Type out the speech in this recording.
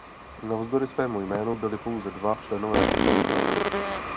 Navzdory svému jménu byli pouze dva členové skupiny bratry.